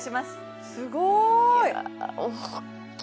すごーい！